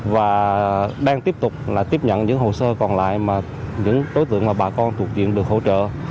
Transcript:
và đang tiếp tục là tiếp nhận những hồ sơ còn lại mà những đối tượng mà bà con thuộc diện được hỗ trợ